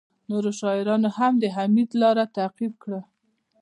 نورو شاعرانو هم د حمید لاره تعقیب کړه